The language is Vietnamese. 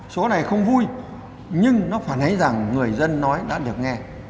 số này không vui nhưng nó phản ánh rằng người dân nói đã được nghe